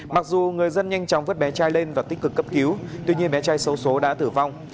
mặc dù người dân nhanh chóng vứt bé trai lên và tích cực cấp cứu tuy nhiên bé trai xấu xố đã tử vong